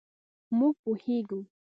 مونږ پوهیږو